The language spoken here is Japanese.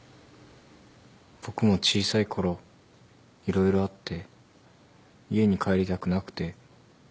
僕も小さいころ色々あって家に帰りたくなくて。